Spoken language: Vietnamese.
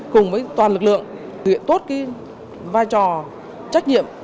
cùng với toàn lực lượng thực hiện tốt vai trò trách nhiệm